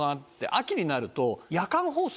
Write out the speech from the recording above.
秋になると。